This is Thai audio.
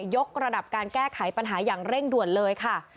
กระดับการแก้ไขปัญหาอย่างเร่งด่วนเลยค่ะ